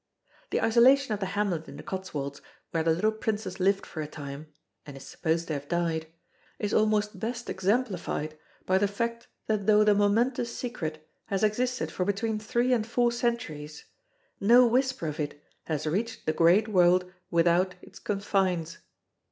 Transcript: The isolation of the hamlet in the Cotswolds where the little princess lived for a time and is supposed to have died is almost best exemplified by the fact that though the momentous secret has existed for between three and four centuries, no whisper of it has reached the great world without its confines.